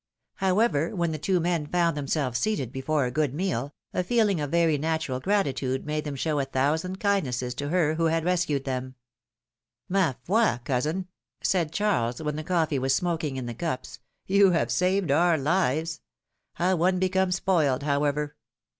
However, when the two men found themselves seated before a good meal, a feeling of very natural gratitude made them show a thousand kindnesses to her who had rescued them. foil cousin,'^ said Charles, when the coffee was smoking in the cups, ^^you have saved our lives! How one becomes spoiled, however